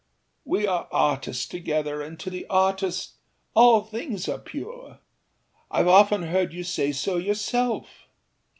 We are artists together, and to the artist all things are pure. Iâve often heard you say so yourself.